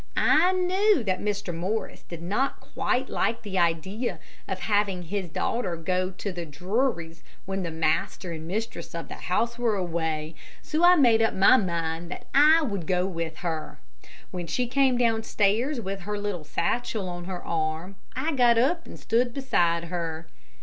I knew that Mr. Morris did not quite like the idea of having his daughter go to the Drury's when the master and mistress of the house were away, so I made up my mind that I would go with her. When she came down stairs with her little satchel on her arm, I got up and stood beside her.